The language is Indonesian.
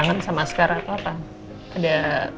kangen sama asghar atau apa ada